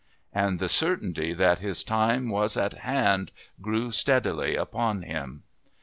And the certainty that his time was at hand grew steadily upon him.